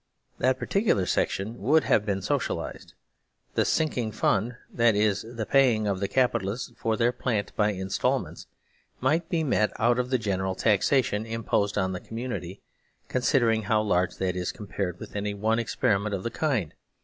That par ticular section would have been " socialised." The " Sinking Fund " (that is, the paying of the Capital ists for their plant by instalments) might be met out of the general taxation imposed on the community, considering how large that is compared with any one experiment of the kind.